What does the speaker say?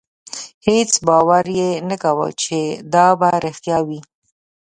هېڅ باور یې نه کاوه چې دا به رښتیا وي.